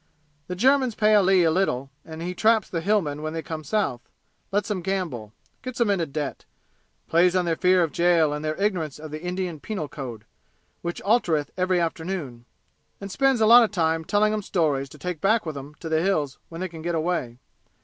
The Germans pay Ali a little, and he traps the Hillmen when they come South lets 'em gamble gets 'em into debt plays on their fear of jail and their ignorance of the Indian Penal Code, which altereth every afternoon and spends a lot of time telling 'em stories to take back with 'em to the Hills when they can get away.